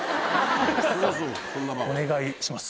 お願いします。